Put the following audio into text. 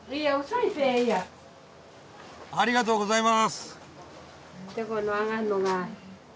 ありがとうございます！